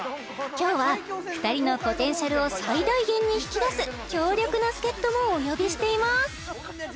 今日は２人のポテンシャルを最大限に引き出す強力な助っ人もお呼びしています